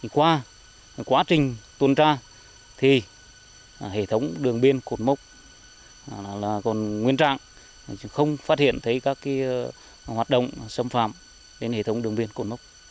qua quá trình tuần tra hệ thống đường biên cột mốc còn nguyên trạng không phát hiện thấy các hoạt động xâm phạm đến hệ thống đường biên cột mốc